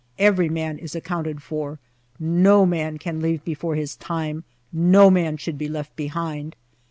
Every man is accounted for. No man can leave before his time, no man should be left behind.